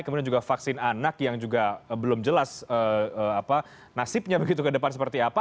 kemudian juga vaksin anak yang juga belum jelas nasibnya begitu ke depan seperti apa